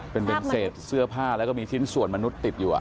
เป็นเศษเสื้อผ้าแล้วก็มีชิ้นส่วนมนุษย์ติดอยู่